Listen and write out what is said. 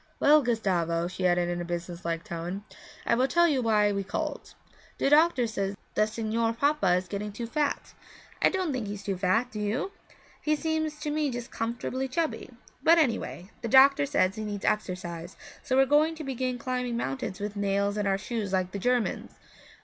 'Well, Gustavo,' she added in a business like tone, 'I will tell you why we called. The doctor says the Signor Papa is getting too fat. I don't think he's too fat, do you? He seems to me just comfortably chubby; but anyway, the doctor says he needs exercise, so we're going to begin climbing mountains with nails in our shoes like the Germans.